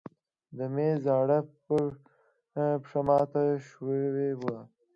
د مېز زاړه پښه مات شوې وه.